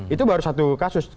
itu baru satu kasus